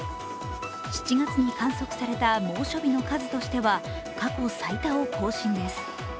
７月に観測された猛暑日の数としては過去最多を更新です。